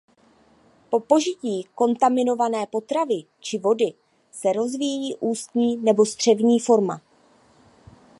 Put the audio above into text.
Po požití kontaminované potravy či vody se rozvíjí ústní nebo střevní forma.